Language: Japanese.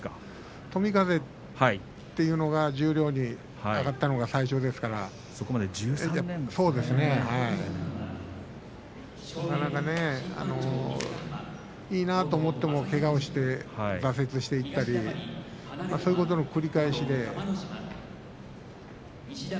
富風というのが十両に上がった最初ですからなかなかね、いいなと思ってもけがをして挫折していったりそういうことの繰り返しで。